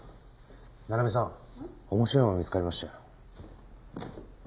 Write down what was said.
七波さん面白いもの見つかりましたよ。